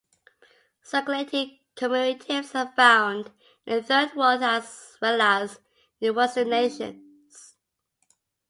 Circulating commemoratives are found in the third World as well as in western nations.